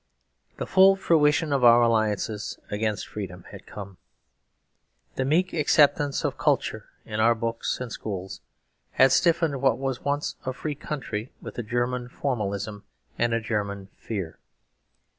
The full fruition of our alliances against freedom had come. The meek acceptance of Kultur in our books and schools had stiffened what was once a free country with a German formalism and a German fear.